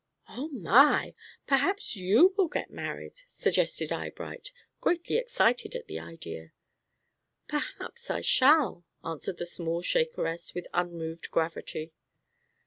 "Oh my! perhaps you will get married," suggested Eyebright, greatly excited at the idea. "Perhaps I shall," answered the small Shakeress with unmoved gravity.